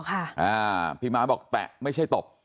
ค่ะอ่าพี่ม้าบอกแตะไม่ใช่ตบ